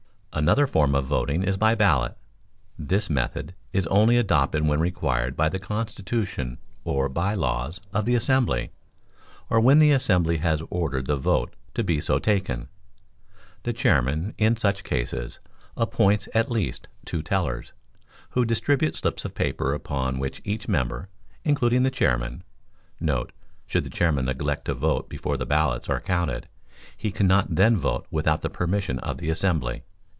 Another form of voting is by ballot. This method is only adopted when required by the constitution or by laws of the assembly, or when the assembly has ordered the vote to be so taken. The Chairman, in such cases, appoints at least two tellers, who distribute slips of paper upon which each member, including the Chairman,* [Should the Chairman neglect to vote before the ballots are counted, he cannot then vote without the permission of the assembly.